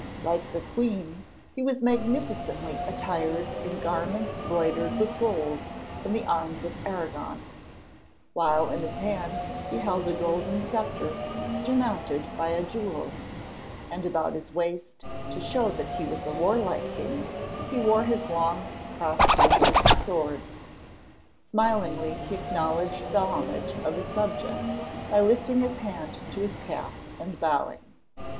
Like the queen, he was magnificently attired in garments broidered with gold and the arms of Aragon, while in his hand he held a golden sceptre surmounted by a jewel, and about his waist, to show that he was a warlike king, he wore his long, cross handled sword. Smilingly he acknowledged the homage of his subjects by lifting his hand to his cap and bowing.